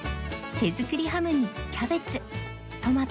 手作りハムにキャベツトマト卵